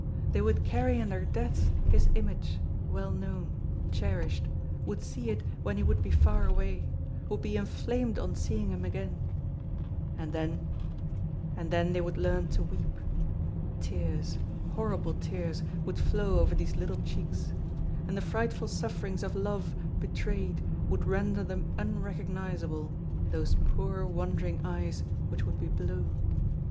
They would carry in their depths his image, well known, cherished, would see it when he would be far away, would be inflamed on seeing him again. And then and then they would learn to weep! Tears, horrible tears, would flow over these little cheeks. And the frightful sufferings of love betrayed would render them unrecognizable, those poor wandering eyes which would be blue.